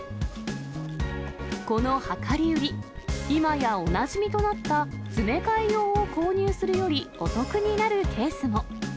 この量り売り、今やおなじみとなった詰め替え用を購入するよりお得になるケースも。